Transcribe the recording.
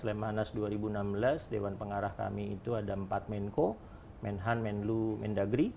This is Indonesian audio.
lemhanas dua ribu enam belas dewan pengarah kami itu ada empat menko menhan menlu mendagri